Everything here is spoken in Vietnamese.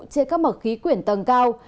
trên các mật khí quyển tầng cao